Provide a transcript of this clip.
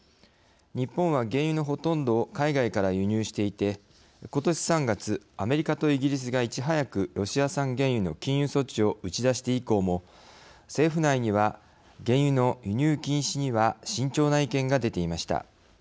日本は原油のほとんどを海外から輸入していてことし３月アメリカとイギリスが、いち早くロシア産原油の禁輸措置を打ち出して以降も政府内には原油の輸入禁止には慎重な意見が出ていました。